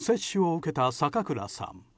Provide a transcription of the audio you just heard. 接種を受けた阪倉さん。